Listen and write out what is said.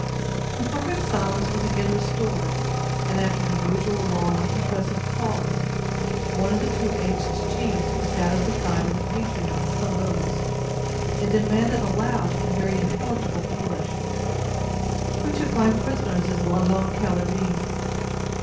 When perfect silence was again restored, and after the usual long, impressive pause, one of the two aged chiefs who sat at the side of the patriarch arose, and demanded aloud, in very intelligible English: "Which of my prisoners is La Longue Carabine?"